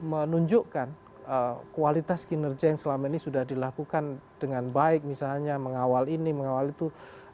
menunjukkan kualitas kinerja yang selama ini sudah dilakukan dengan baik misalnya mengawal ini mengawal itu